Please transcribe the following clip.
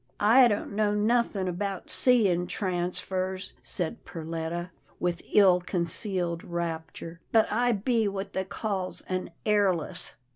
"" I don't know nothin' about seein' transfers," said Perletta, with ill concealed rapture, " but I be what they calls an hairless."